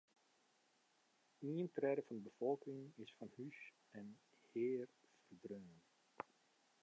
Ien tredde fan de befolking is fan hûs en hear ferdreaun.